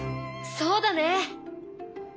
そうだね！